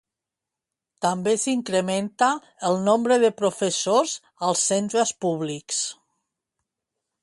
També s'incrementa el nombre de professors als centres públics.